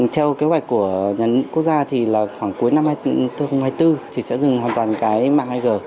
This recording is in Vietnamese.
theo kế hoạch của quốc gia thì là khoảng cuối năm hai nghìn hai mươi bốn thì sẽ dừng hoàn toàn cái mạng hai g